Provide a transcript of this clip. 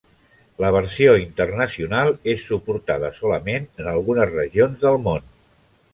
La versió internacional és suportada solament en algunes regions del món.